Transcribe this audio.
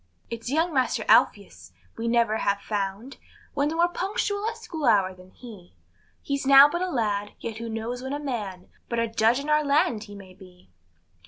It's young master Alpheus we never have found One more punctual at school hour than he; He's now but a lad, yet who knows when a man, But a Judge in our land he may be.